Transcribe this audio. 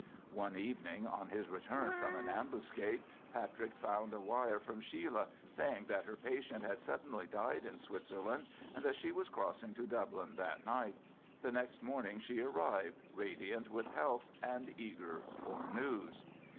One evening, on his return from an ambuscade, Patrick found a wire from Sheila, saying that her patient had suddenly died in Switzerland, and that she was crossing to Dublin that night. The next morning she arrived, radiant with health, and eager for news.